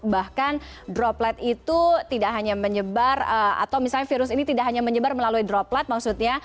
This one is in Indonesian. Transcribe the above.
bahkan droplet itu tidak hanya menyebar atau misalnya virus ini tidak hanya menyebar melalui droplet maksudnya